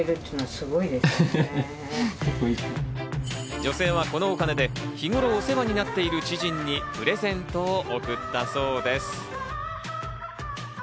女性はこのお金で日頃、お世話になっている知人にプレゼントを贈ったそうです。